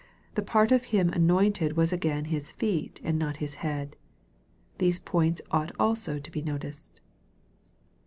The part of Him anointed was again His " feet," and not His " head." These points ought also to be noticed.